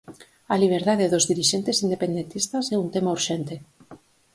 A liberdade dos dirixentes independentistas é un tema urxente.